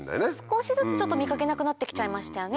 少しずつ見掛けなくなってきちゃいましたよね。